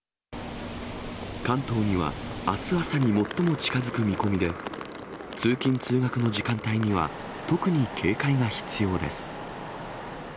関東にはあす朝に最も近づく見込みで、通勤・通学の時間帯には、特に警戒が必要です。